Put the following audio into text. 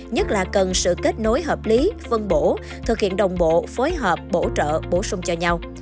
nhất là cần sự kết nối hợp lý phân bổ thực hiện đồng bộ phối hợp bổ trợ bổ sung cho nhau